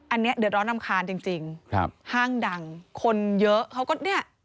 อันนี้เดือดร้อนรำคาญจริงจริงครับห้างดังคนเยอะเขาก็เนี่ย